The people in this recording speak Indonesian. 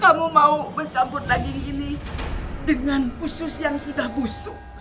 kamu mau mencampur daging ini dengan usus yang sudah busuk